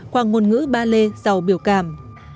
qua ngôn ngữ ballet giàu biểu cảm